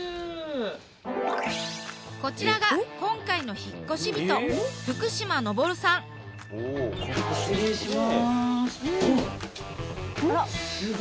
こちらが今回の引っ越し人失礼します。